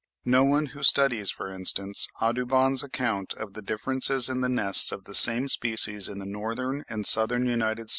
No one who studies, for instance, Audubon's account of the differences in the nests of the same species in the Northern and Southern United States (20.